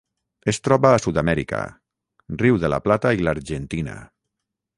Es troba a Sud-amèrica: riu de La Plata i l'Argentina.